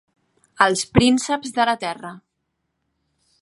Els prínceps de la terra.